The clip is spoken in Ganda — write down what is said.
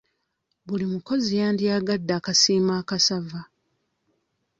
Buli mukozi yandyagadde okasiimo akasava.